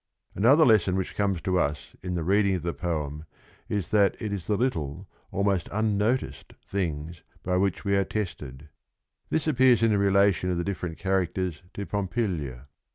Another lesson which comes to us in the read ing of the p"°n>i'f i f hii t it i 1 ? t T rr* little, i i l iiii"il mm no ticed, things by which w e are tested. This appears in the relation of the different characters to Pompilia.